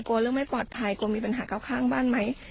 กลัวเรื่องไม่ปลอดภัยกลัวมีปัญหาเก้าข้างบ้านไหม